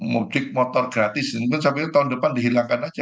modik motor gratis mungkin sampai tahun depan dihilangkan aja